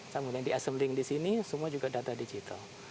kemudian diassembling di sini semua juga data digital